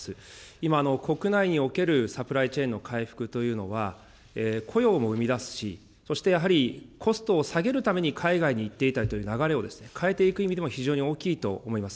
今、国内におけるサプライチェーンの回復というのは、雇用も生み出すし、そしてやはりコストを下げるために海外に行っていたという流れを、変えていく意味でも非常に大きいと思います。